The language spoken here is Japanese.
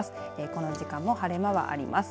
この時間も晴れ間はあります。